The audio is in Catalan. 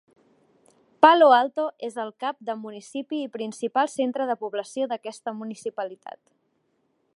Palo Alto és el cap de municipi i principal centre de població d'aquesta municipalitat.